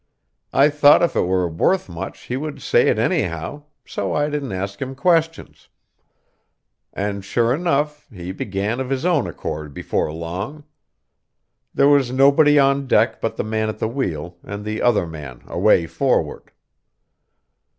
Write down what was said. I thought if it were worth much he would say it anyhow, so I didn't ask him questions; and sure enough he began of his own accord before long. There was nobody on deck but the man at the wheel, and the other man away forward.